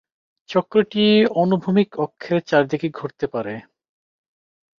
চক্রটি অনুভূমিক অক্ষের চারিদিকে ঘুরতে পারে।